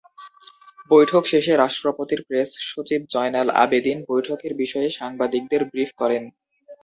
বৈঠক শেষে রাষ্ট্রপতির প্রেস সচিব জয়নাল আবেদীন বৈঠকের বিষয়ে সাংবাদিকদের ব্রিফ করেন।